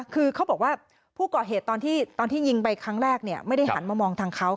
คือเขาบอกว่าผู้ก่อเหตุตอนที่ยิงไปครั้งแรกไม่ได้หันมามองทางเขา